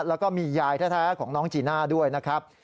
แล้วก็มียายแท้ของน้องจีน่าด้วยนะครับ